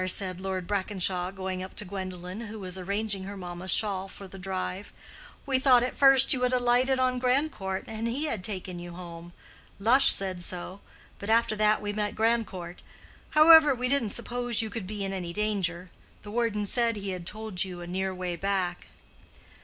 said Lord Brackenshaw, going up to Gwendolen, who was arranging her mamma's shawl for the drive. "We thought at first you had alighted on Grandcourt and he had taken you home. Lush said so. But after that we met Grandcourt. However, we didn't suppose you could be in any danger. The warden said he had told you a near way back."